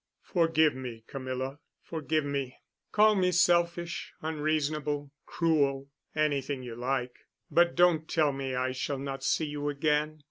"Forgive me, Camilla. Forgive me. Call me selfish, unreasonable, cruel—anything you like—but don't tell me I shall not see you again.